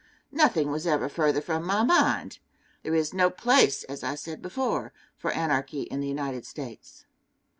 Nothing was ever further from my mind. There is no place, as I said before, for anarchy in the United States.